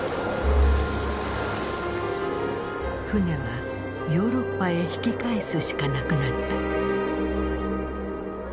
船はヨーロッパへ引き返すしかなくなった。